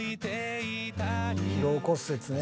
疲労骨折ね。